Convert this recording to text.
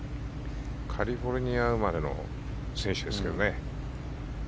カリフォルニア生まれの選手ですけどね。